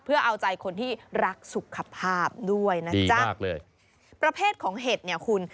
เพื่อเอาใจคนที่รักสุขภาพด้วยนะจ๊ะมากเลยประเภทของเห็ดเนี่ยคุณ